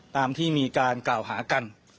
ตามที่มีการกล่าวหากัน